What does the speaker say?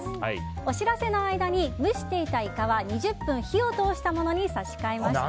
お知らせの間に蒸していたイカは２０分、火を通したものに差し替えました。